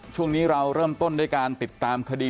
ช่วงนี้เราเริ่มต้นด้วยการติดตามคดี